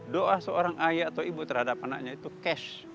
doa seorang ayat atau ibu terhadap anaknya itu kesh